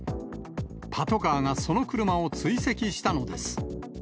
パトカーがその車を追跡したのです。